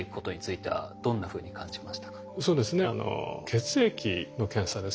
血液の検査ですね